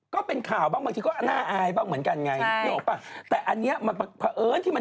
เขารอกกันจนถึงตี๓ค่ะ